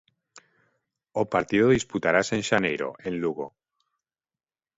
O partido disputarase en xaneiro en Lugo.